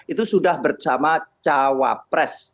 itu sudah bersama cawapres